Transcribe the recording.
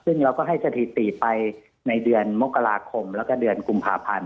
ซึ่งเราก็ให้สถิติไปในเดือนมกราคมแล้วก็เดือนกุมภาพันธ์